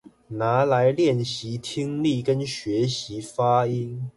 拿來練習聽力跟學習發音